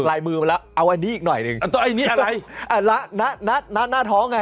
ตักลายมือมาแล้วเอาอันนี้อีกหน่อยนึงอันตัวอันนี้อะไรอ่าละน่าน่าน่าน่าท้องไง